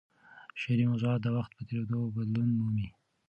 شعري موضوعات د وخت په تېرېدو بدلون مومي.